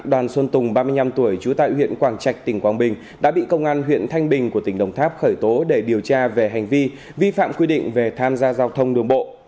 đoàn xuân tùng ba mươi năm tuổi trú tại huyện quảng trạch tỉnh quảng bình đã bị công an huyện thanh bình của tỉnh đồng tháp khởi tố để điều tra về hành vi vi phạm quy định về tham gia giao thông đường bộ